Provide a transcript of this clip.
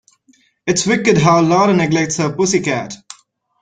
It's wicked how Lara neglects her pussy cat.